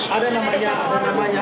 ada namanya ada namanya